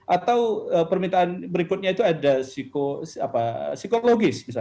atau permintaan berikutnya itu ada psikologis misalnya